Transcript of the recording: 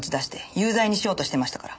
有罪にしようとしていましたから。